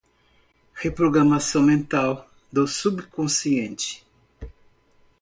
Reprogramação mental do subconsciente